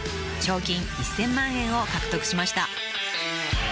［賞金１，０００万円を獲得しました］